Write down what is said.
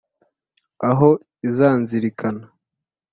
aho izanzirikana.